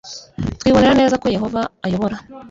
twibonera neza ko yehova ayobora